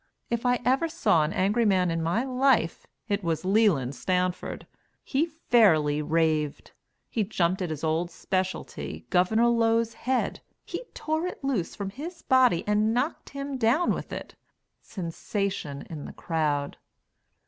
If I ever saw an angry man in my life it was Leland Stanford. He fairly raved. He jumped at his old speciality, Gov. Low's head; he tore it loose from his body and knocked him down with it. (Sensation in the crowd.)